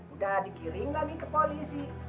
udah digiring lagi ke polisi